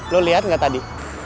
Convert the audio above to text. lo liat gak tadi